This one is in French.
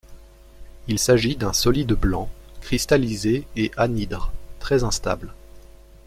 Il s'agit d'un solide blanc, cristallisé et anhydre, très instable.